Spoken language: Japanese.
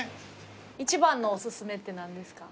一番のお薦めって何ですか？